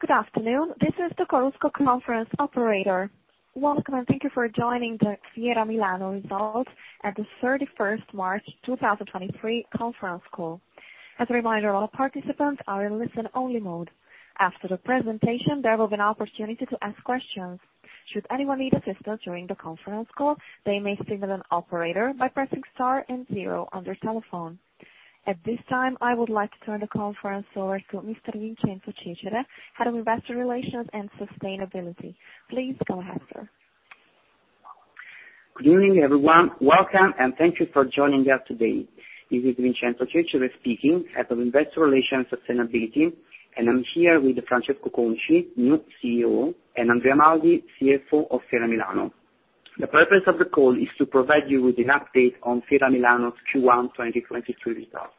Good afternoon. This is the Chorus Call conference operator. Welcome and thank you for joining the Fiera Milano result at the 31st March 2023 conference call. As a reminder, all participants are in listen-only mode. After the presentation, there will be an opportunity to ask questions. Should anyone need assistance during the conference call, they may signal an operator by pressing star and zero on their telephone. At this time, I would like to turn the conference over to Mr. Vincenzo Cecere, Head of Investor Relations and Sustainability. Please go ahead, sir. Good evening, everyone. Welcome and thank you for joining us today. This is Vincenzo Cecere speaking at Investor Relations and Sustainability, and I'm here with Francesco Conci, new CEO, and Andrea Maldi, CFO of Fiera Milano. The purpose of the call is to provide you with an update on Fiera Milano's Q1 2023 results.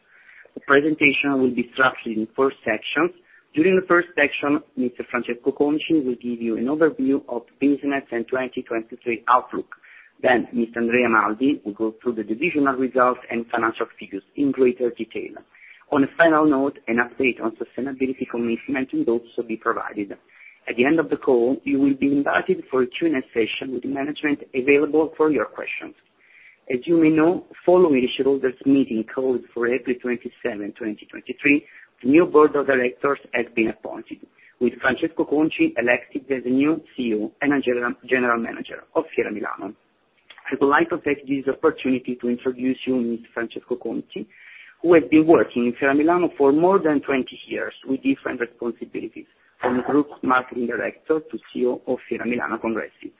The presentation will be structured in four sections. During the first section, Mr. Francesco Conci will give you an overview of business and 2023 outlook. Then, Mr. Andrea Maldi will go through the divisional results and financial figures in greater detail. On a final note, an update on sustainability commitment will also be provided. At the end of the call, you will be invited for a Q&A session with management available for your questions. As you may know, following the shareholders' meeting called for April 27, 2023, the new board of directors has been appointed, with Francesco Conci elected as the new CEO and General Manager of Fiera Milano. I would like to take this opportunity to introduce you to Mr. Francesco Conci, who has been working in Fiera Milano for more than 20 years with different responsibilities, from the Group Marketing Director to CEO of Fiera Milano Congressi.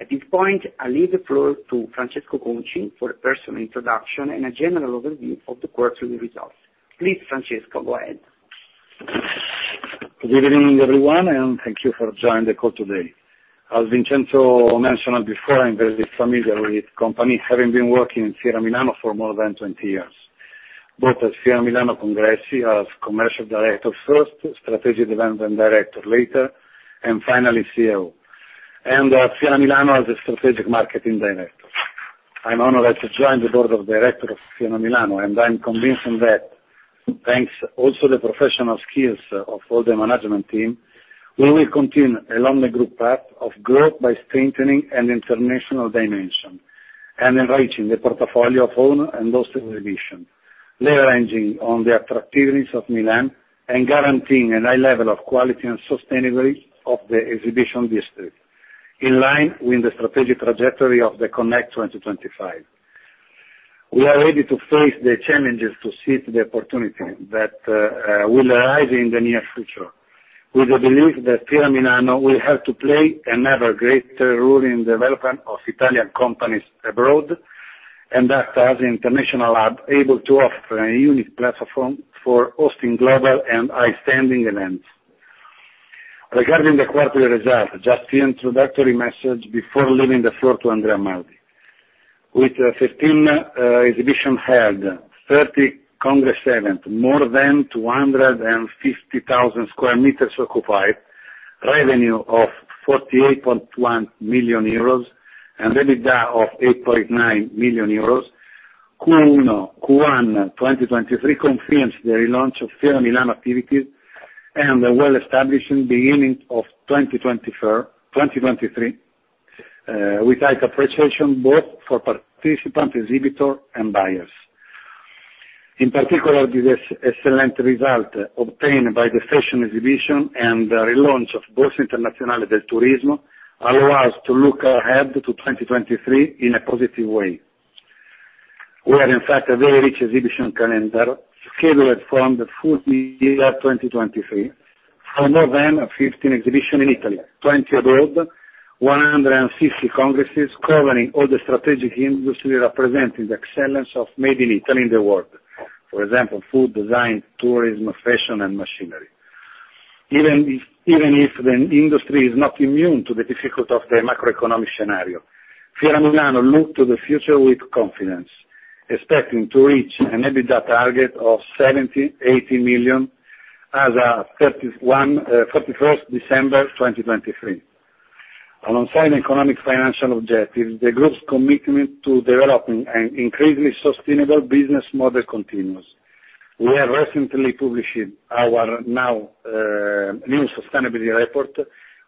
At this point, I'll leave the floor to Francesco Conci for a personal introduction and a general overview of the quarterly results. Please, Francesco, go ahead. Good evening, everyone, and thank you for joining the call today. As Vincenzo mentioned before, I'm very familiar with the company, having been working in Fiera Milano for more than 20 years, both at Fiera Milano Congressi as Commercial Director first, Strategy Development Director later, and finally CEO, and at Fiera Milano as a Strategic Marketing Director. I'm honored to join the Board of Directors of Fiera Milano, and I'm convinced that, thanks also to the professional skills of all the management team, we will continue along the group path of growth by strengthening an international dimension and enriching the portfolio of owners and those in the division, leveraging the attractiveness of Milan and guaranteeing a high level of quality and sustainability of the exhibition district, in line with the strategic trajectory of the CONN.ECT 2025. We are ready to face the challenges to seize the opportunity that will arise in the near future, with the belief that Fiera Milano will have to play an ever greater role in the development of Italian companies abroad and, thus, as an international hub, able to offer a unique platform for hosting global and outstanding events. Regarding the quarterly results, just an introductory message before leaving the floor to Andrea Maldi. With 15 exhibition halls, 30 congress events, more than 250,000 square meters occupied, revenue of 48.1 million euros and EBITDA of 8.9 million euros, Q1 2023 confirms the relaunch of Fiera Milano activities and the well-established beginning of 2023, with high appreciation both for participants, exhibitors, and buyers. In particular, this excellent result obtained by the fashion exhibition and the relaunch of BIT allow us to look ahead to 2023 in a positive way. We have, in fact, a very rich exhibition calendar scheduled from the full year 2023 for more than 15 exhibitions in Italy, 20 abroad, 160 congresses covering all the strategic industries representing the excellence made in Italy and the world, for example, food, design, tourism, fashion, and machinery. Even if the industry is not immune to the difficulties of the macroeconomic scenario, Fiera Milano looks to the future with confidence, expecting to reach an EBITDA target of 70 million, 80 million as of 31st December 2023. Alongside economic financial objectives, the group's commitment to developing an increasingly sustainable business model continues. We have recently published our now new sustainability report,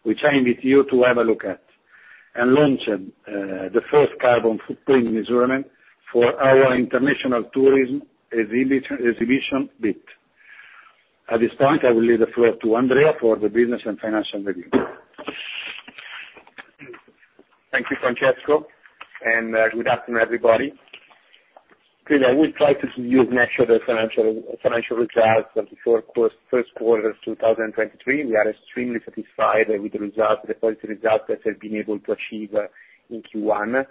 which I invite you to have a look at, and launched the first carbon footprint measurement for our international tourism exhibition BIT. At this point, I will leave the floor to Andrea for the business and financial review. Thank you, Francesco, and good afternoon, everybody. Clearly, I will try to use next year's financial results for the first quarter of 2023. We are extremely satisfied with the results, the positive results that we've been able to achieve in Q1.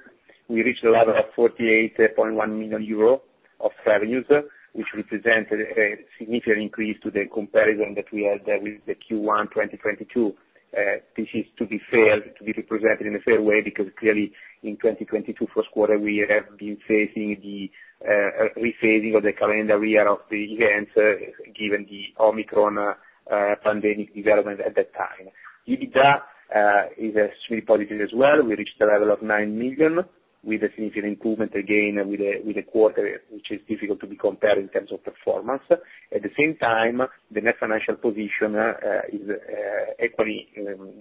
We reached a level of 48.1 million euro of revenues, which represents a significant increase to the comparison that we had with the Q1 2022. This is to be fair, to be represented in a fair way, because clearly, in 2022, first quarter, we have been facing the refacing of the calendar year of the events, given the Omicron pandemic development at that time. EBITDA is extremely positive as well. We reached a level of 9 million, with a significant improvement again with the quarter, which is difficult to be compared in terms of performance. At the same time, the net financial position is equally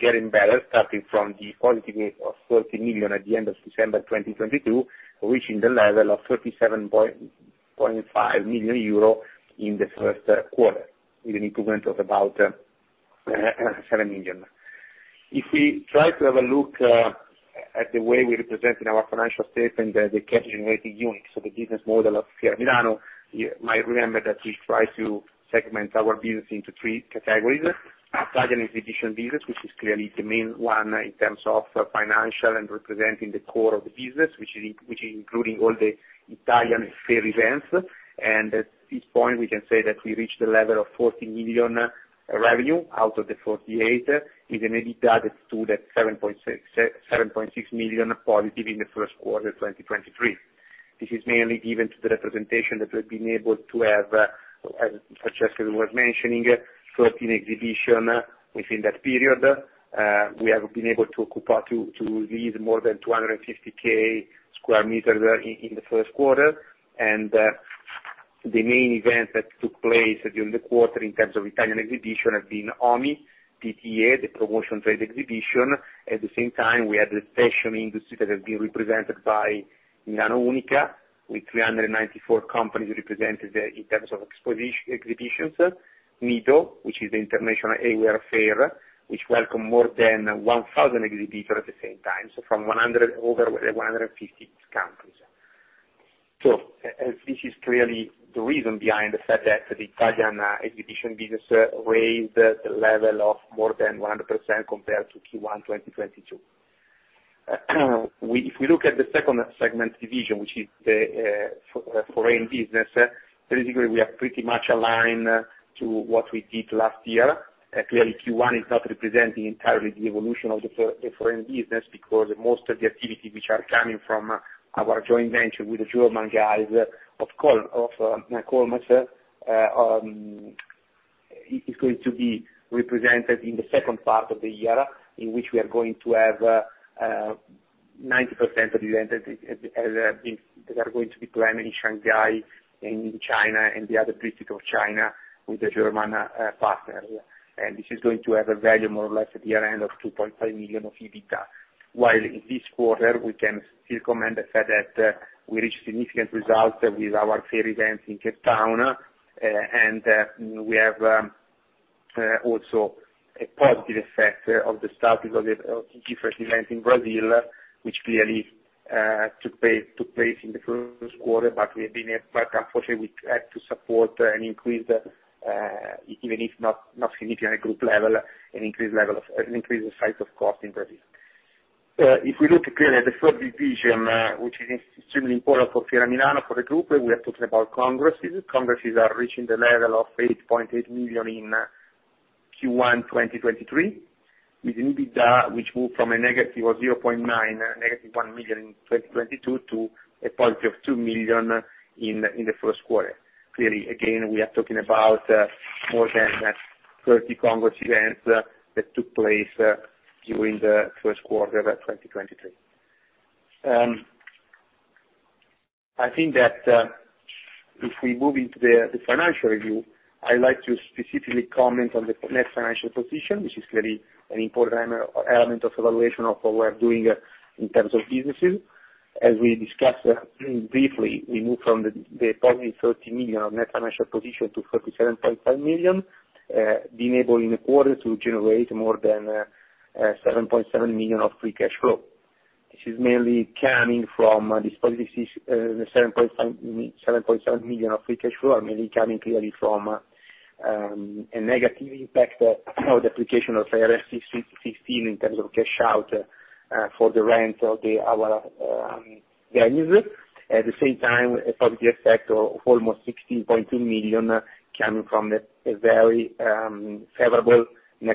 getting better, starting from the positive gain of 30 million at the end of December 2022, reaching the level of 37.5 million euro in the first quarter, with an improvement of about 7 million. If we try to have a look at the way we're presenting our financial statement and the cash-generating units of the business model of Fiera Milano, you might remember that we try to segment our business into three categories: Italian exhibition business, which is clearly the main one in terms of financial and representing the core of the business, which is including all the Italian fair events. At this point, we can say that we reached the level of 40 million revenue out of the 48 million, with an EBITDA that stood at 7.6 million+ in the first quarter of 2023. This is mainly given to the representation that we've been able to have, as Francesco was mentioning, 13 exhibitions within that period. We have been able to lead more than 250,000 square meters in the first quarter. The main events that took place during the quarter in terms of Italian exhibition have been HOMI, PTE, the Promotion Trade Exhibition. At the same time, we had the fashion industry that has been represented by Milano Unica, with 394 companies represented in terms of exhibitions, MIDO, which is the International eyewear fair, which welcomed more than 1,000 exhibitors at the same time, from over 150 countries. This is clearly the reason behind the fact that the Italian exhibition business raised the level of more than 100% compared to Q1 2022. If we look at the second segment division, which is the foreign business, basically, we are pretty much aligned to what we did last year. Clearly, Q1 is not representing entirely the evolution of the foreign business because most of the activities which are coming from our joint venture with the German guys of Koelnmesse is going to be represented in the second part of the year, in which we are going to have 90% of the events that are going to be planned in Shanghai, in China, and the other districts of China with the German partners. This is going to have a value more or less at year-end of 2.5 million of EBITDA, while in this quarter, we can still commend the fact that we reached significant results with our fair events in Cape Town. We have also a positive effect of the start of the different events in Brazil, which clearly took place in the first quarter, but unfortunately, we had to support an increased, even if not significant at group level, an increased size of cost in Brazil. If we look clearly at the third division, which is extremely important for Fiera Milano for the group, we are talking about congresses. Congresses are reaching the level of 8.8 million in Q1 2023, with an EBITDA which moved from a negative of 0.9 million, -1 million in 2022, to a positive of 2 million in the first quarter. Clearly, again, we are talking about more than 30 congress events that took place during the first quarter of 2023. I think that if we move into the financial review, I'd like to specifically comment on the net financial position, which is clearly an important element of evaluation of what we're doing in terms of businesses. As we discussed briefly, we moved from the positive 30 million of net financial position to 37.5 million, being able in the quarter to generate more than 7.7 million of Free Cash Flow. This is mainly coming from this +7.7 million of Free Cash Flow; it's mainly coming clearly from a negative impact of the application of Fiera Milano 2016 in terms of cash out for the rent of our venues. At the same time, a positive effect of almost 16.2 million coming from a very favorable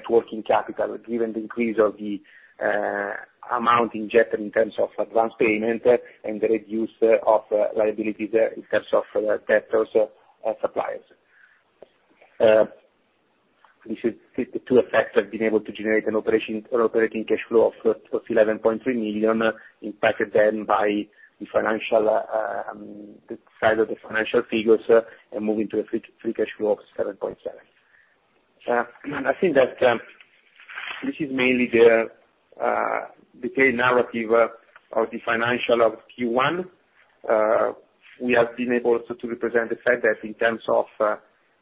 working capital, given the increase of the amount injected in terms of advance payment and the reduced of liabilities in terms of debtors and suppliers. These two effects have been able to generate an operating cash flow of 11.3 million, impacted then by the side of the financial figures and moving to a Free Cash Flow of 7.7 million. I think that this is mainly the clear narrative of the financial of Q1. We have been able to represent the fact that in terms of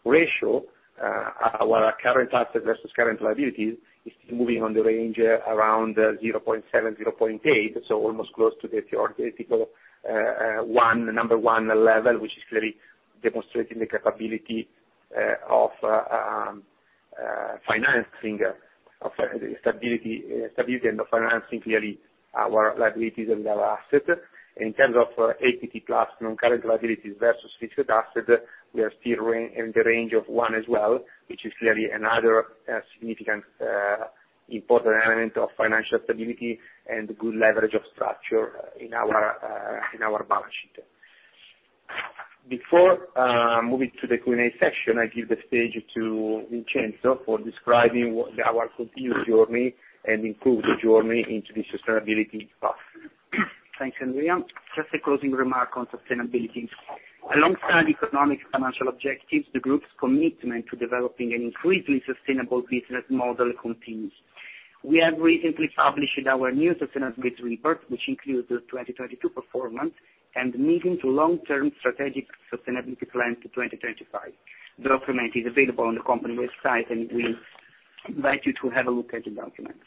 ratio, our current assets versus current liabilities is moving on the range around 0.7-0.8, so almost close to the number one level, which is clearly demonstrating the capability of financing, of stability and of financing clearly our liabilities and our assets. In terms of equity plus non-current liabilities versus fixed assets, we are still in the range of one as well, which is clearly another significant important element of financial stability and good leverage of structure in our balance sheet. Before moving to the Q&A section, I give the stage to Vincenzo for describing our continued journey and improved journey into the sustainability path. Thanks, Andrea. Just a closing remark on sustainability. Alongside economic financial objectives, the group's commitment to developing an increasingly sustainable business model continues. We have recently published our new Sustainability Report, which includes the 2022 performance and the medium to long-term strategic sustainability plan for 2025. The document is available on the company website, and we invite you to have a look at the document.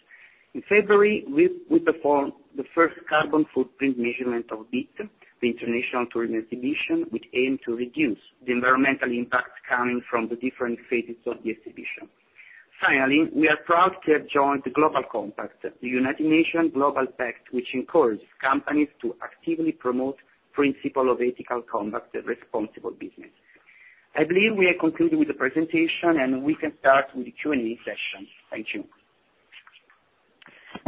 In February, we performed the first carbon footprint measurement of BIT, the international tourism exhibition, which aimed to reduce the environmental impacts coming from the different phases of the exhibition. Finally, we are proud to have joined the United Nations Global Compact, which encourages companies to actively promote the principle of ethical conduct and responsible business. I believe we have concluded with the presentation, and we can start with the Q&A session. Thank you.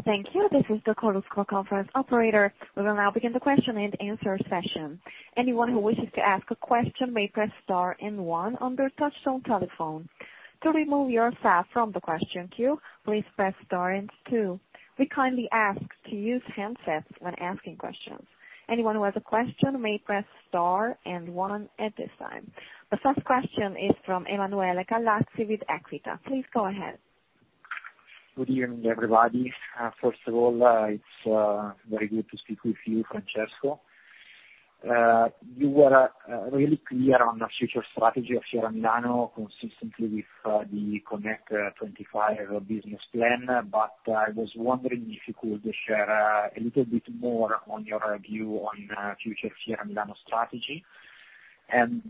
Thank you. This is the Chorus Call conference operator. We will now begin the question and answer session. Anyone who wishes to ask a question may press star and one on their touchstone telephone. To remove yourself from the question queue, please press star and two. We kindly ask to use handsets when asking questions. Anyone who has a question may press star and one at this time. The first question is from Emanuele Gallazzi with EQUITA. Please go ahead. Good evening, everybody. First of all, it's very good to speak with you, Francesco. You were really clear on the future strategy of Fiera Milano consistently with the CONN.ECT 25 business plan, but I was wondering if you could share a little bit more on your view on future Fiera Milano strategy.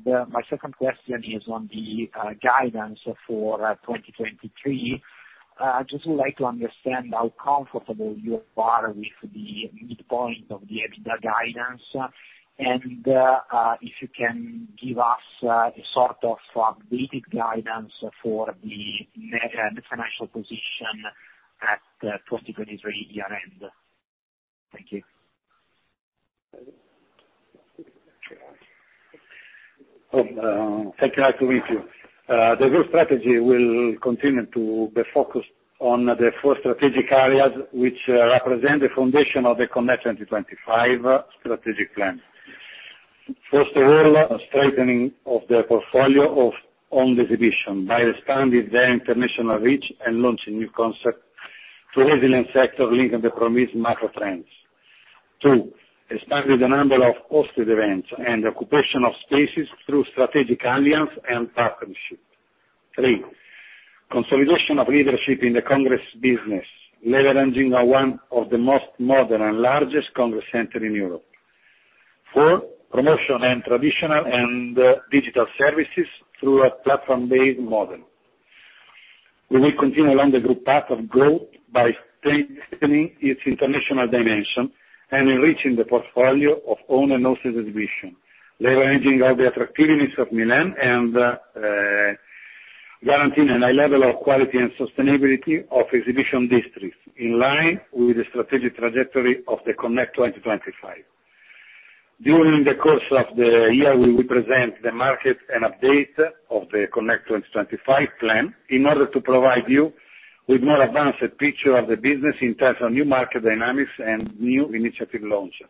My second question is on the guidance for 2023. I just would like to understand how comfortable you are with the midpoint of the EBITDA guidance and if you can give us a sort of updated guidance for the financial position at 2023 year-end. Thank you. Thank you. Nice to meet you. The group strategy will continue to be focused on the four strategic areas which represent the foundation of the CONN.ECT 2025 strategic plan. First of all, strengthening of the portfolio of owned exhibitions by expanding their international reach and launching new concepts to resilient sectors linked to the promised macro trends. Two, expanding the number of hosted events and occupation of spaces through strategic alliances and partnerships. Three, consolidation of leadership in the congress business, leveraging one of the most modern and largest congress centers in Europe. Four, promotion of traditional and digital services through a platform-based model. We will continue along the group path of growth by strengthening its international dimension and enriching the portfolio of owned and hosted exhibitions, leveraging all the attractiveness of Milan and guaranteeing a high level of quality and sustainability of exhibition districts in line with the strategic trajectory of the CONN.ECT 2025. During the course of the year, we will present the market an update of the CONN.ECT 2025 plan in order to provide you with a more advanced picture of the business in terms of new market dynamics and new initiative launches.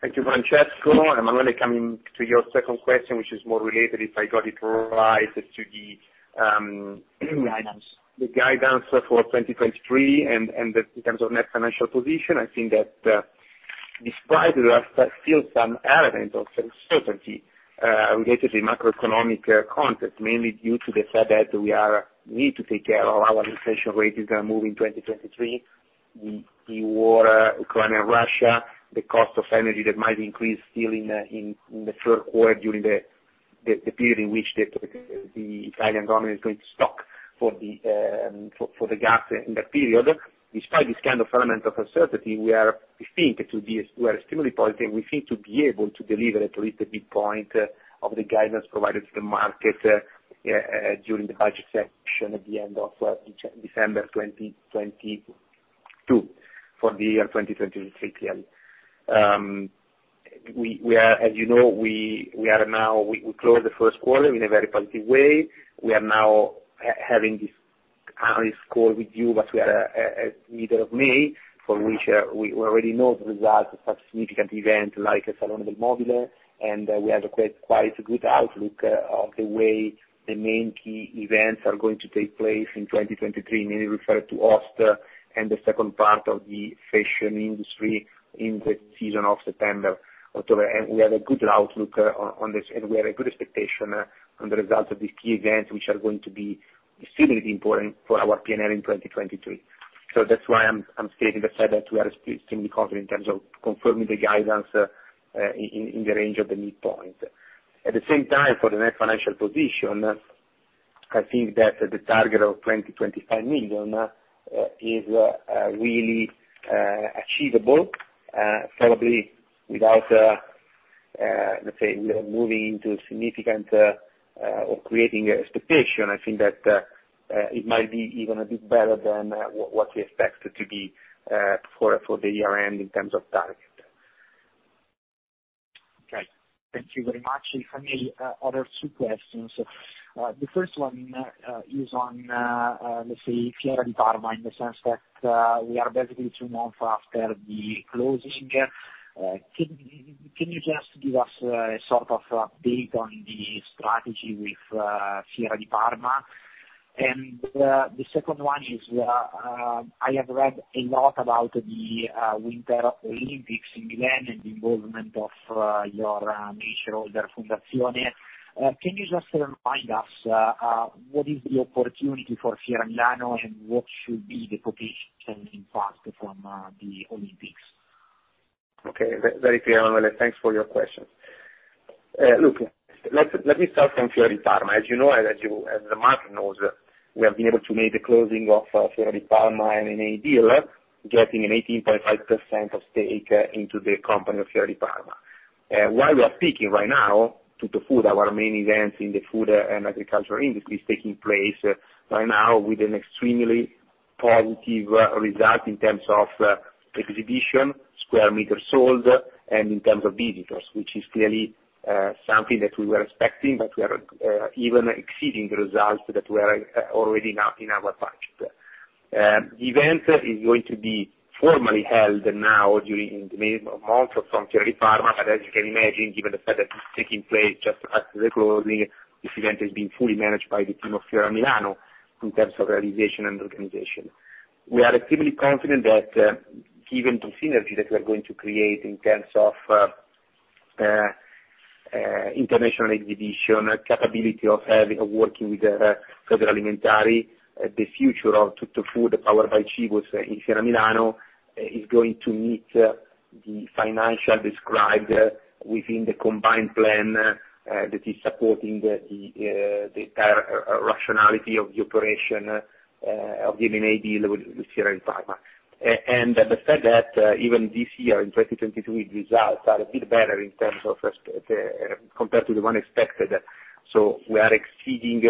Thank you, Francesco. Emanuele, coming to your second question, which is more related, if I got it right, to the guidance for 2023 and in terms of net financial position, I think that despite there are still some elements of uncertainty related to macroeconomic context, mainly due to the fact that we need to take care of our inflation rate that is going to move in 2023, the war between Ukraine and Russia, the cost of energy that might increase still in the third quarter during the period in which the Italian government is going to stock for the gas in that period. Despite this kind of element of uncertainty, we are extremely positive. We seem to be able to deliver at least the midpoint of the guidance provided to the market during the budget session at the end of December 2022 for the year 2023, clearly. As you know, we are now closing the first quarter in a very positive way. We are now having this call with you, but we are at the middle of May, for which we already know the results of such significant events like Salone del Mobile, and we have quite a good outlook on the way the main key events are going to take place in 2023, mainly referring to hosts and the second part of the fashion industry in the season of September, October. We have a good outlook on this, and we have a good expectation on the results of these key events, which are going to be extremely important for our P&L in 2023. That is why I'm stating the fact that we are extremely confident in terms of confirming the guidance in the range of the midpoint. At the same time, for the net financial position, I think that the target of 20.5 million is really achievable, probably without, let's say, moving into significant or creating expectation. I think that it might be even a bit better than what we expect to be for the year-end in terms of target. Okay. Thank you very much. If I may, I have two questions. The first one is on, let's say, Fiera di Parma in the sense that we are basically two months after the closing. Can you just give us a sort of update on the strategy with Fiera di Parma? The second one is I have read a lot about the Winter Olympics in Milan and the involvement of your mission, the Fondazione. Can you just remind us what is the opportunity for Fiera Milano and what should be the potential impact from the Olympics? Okay. Very clear, Emanuele. Thanks for your questions. Look, let me start from Fiera di Parma. As you know, as the market knows, we have been able to make the closing of Fiera di Parma and an A deal, getting an 18.5% of stake into the company of Fiera di Parma. While we are speaking right now, to the food, our main events in the food and agriculture industry are taking place right now with an extremely positive result in terms of exhibition, square meters sold, and in terms of visitors, which is clearly something that we were expecting, but we are even exceeding the results that were already in our budget. The event is going to be formally held now in the months from Fiera di Parma, but as you can imagine, given the fact that it's taking place just after the closing, this event is being fully managed by the team of Fiera Milano in terms of realization and organization. We are extremely confident that given the synergy that we are going to create in terms of international exhibition, capability of working with Federalimentare, the future of TuttoFood, powered by Cibus in Fiera Milano is going to meet the financial described within the combined plan that is supporting the rationality of the operation of the M&A deal with Fiera di Parma. The fact that even this year, in 2022, the results are a bit better in terms of compared to the one expected. We are exceeding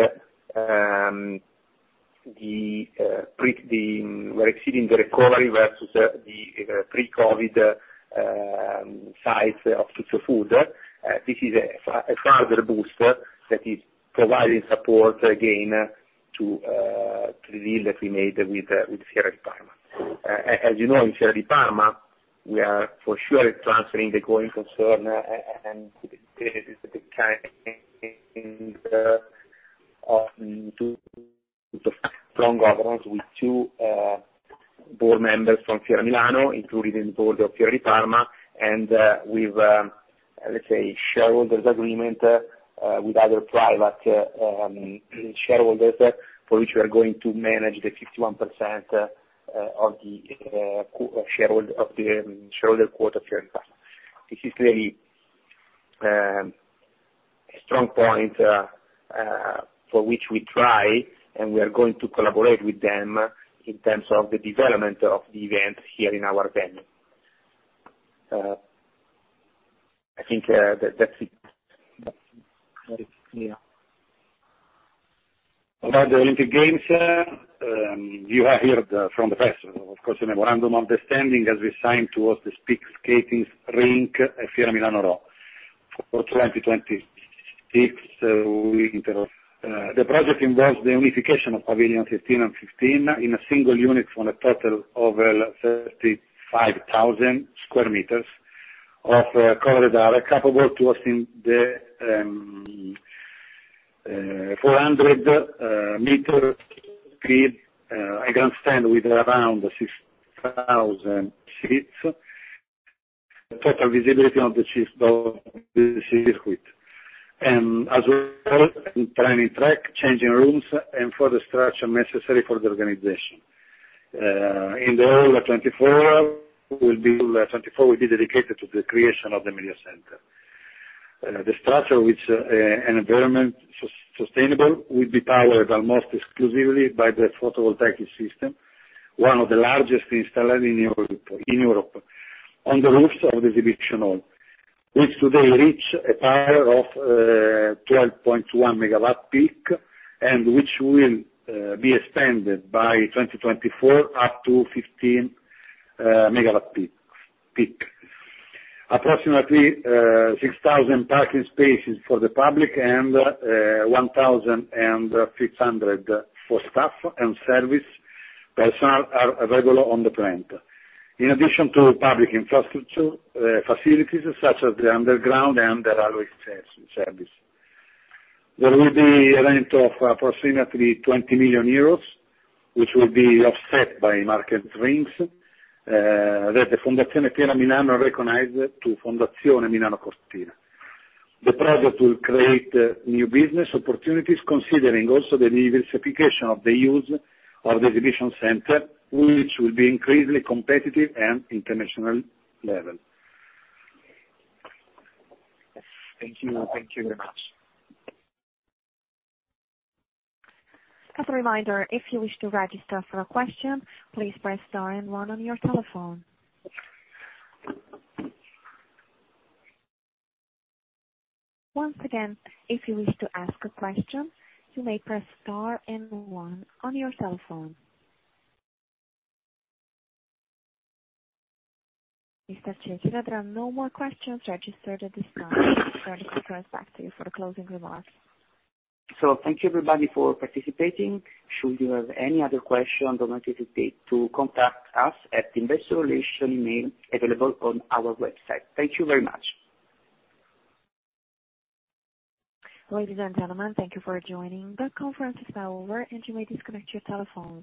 the recovery versus the pre-COVID size of TuttoFood. This is a further boost that is providing support again to the deal that we made with Fiera di Parma. As you know, in Fiera di Parma, we are for sure transferring the going concern and the kind of strong governance with two board members from Fiera Milano, including the board of Fiera di Parma, and with, let's say, shareholders' agreement with other private shareholders for which we are going to manage the 51% of the shareholder quota of Fiera di Parma. This is clearly a strong point for which we try, and we are going to collaborate with them in terms of the development of the event here in our venue. I think that's it. About the Olympic Games, you have heard from the press, of course, a memorandum of understanding as we sign towards the speed skating rink at Fiera Milano Rho for 2026. The project involves the unification of pavilion 15 and 15 in a single unit for a total of 35,000 square meters of colored arc capable of hosting the 400-meter speed grandstand with around 6,000 seats, total visibility of the city squid. As well, training track, changing rooms, and further structure necessary for the organization. In the whole of 2024, 2024 will be dedicated to the creation of the media center. The structure, which is an environment sustainable, will be powered almost exclusively by the photovoltaic system, one of the largest installed in Europe, on the roofs of the exhibition hall, which today reaches a power of 12.1 megawatt peak and which will be expanded by 2024 up to 15 megawatt peak. Approximately 6,000 parking spaces for the public and 1,500 for staff and service personnel are available on the plant. In addition to public infrastructure facilities such as the underground and the railway service, there will be a rent of approximately 20 million euros, which will be offset by market rings that the Fondazione Fiera Milano recognized to Fondazione Milano Cortina. The project will create new business opportunities considering also the diversification of the use of the exhibition center, which will be increasingly competitive and international level. Thank you. Thank you very much. As a reminder, if you wish to register for a question, please press star and one on your telephone. Once again, if you wish to ask a question, you may press star and one on your telephone. Mr. Cecere, there are no more questions registered at this time. We're going to turn it back to you for the closing remarks. Thank you, everybody, for participating. Should you have any other questions, do not hesitate to contact us at the investor relations email available on our website. Thank you very much. Ladies and gentlemen, thank you for joining. The conference is now over, and you may disconnect your telephone.